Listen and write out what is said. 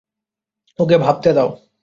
ওকে, ভাবতে দাও।